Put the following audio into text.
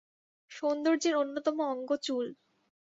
সৌন্দর্যের অন্যতম অঙ্গ চুল।